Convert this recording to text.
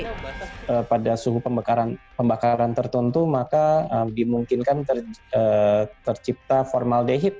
kalau ada pembakaran tertentu maka dimungkinkan tercipta formaldehyde